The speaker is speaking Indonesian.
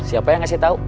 siapa yang ngasih tau